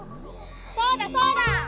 そうだそうだ！